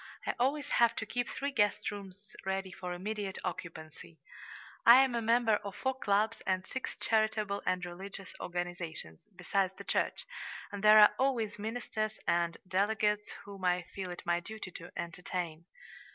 I always have to keep three guest rooms ready for immediate occupancy. I am a member of four clubs and six charitable and religious organizations, besides the church, and there are always ministers and delegates whom I feel it my duty to entertain."